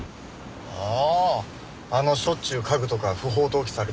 あああのしょっちゅう家具とか不法投棄されてる所？